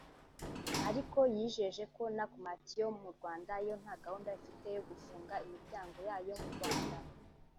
Ariko yijeje ko Nakumatt yo mu Rwanda yo nta gahunda ifite yo gufunga imiryango yayo mu Rwanda